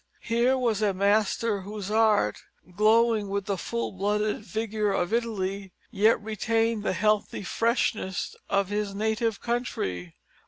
Here was a master whose art, glowing with the full blooded vigour of Italy, yet retained the healthy freshness of his native country.